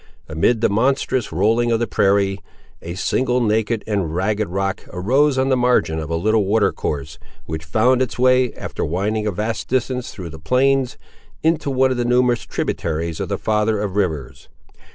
Amid the monotonous rolling of the prairie, a single naked and ragged rock arose on the margin of a little watercourse, which found its way, after winding a vast distance through the plains, into one of the numerous tributaries of the Father of Rivers.